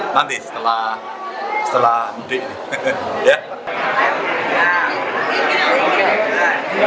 kak sudah bertemu dengan berbagai wali bagaimana dulu